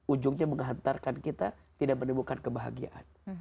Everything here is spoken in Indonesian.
ujungnya menghantarkan kita tidak menemukan kebahagiaan